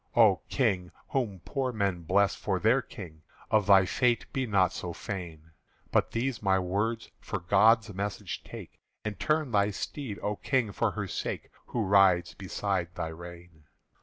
"O King, whom poor men bless for their King, Of thy fate be not so fain; But these my words for God's message take, And turn thy steed, O King, for her sake Who rides beside thy rein!"